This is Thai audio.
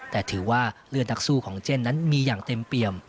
แต่ถือว่าเลือดนักสู้ของเจนนั้นมีอย่างเต็มเปี่ยม